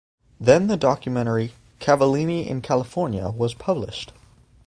Then the documentary "Cavellini in California" was published.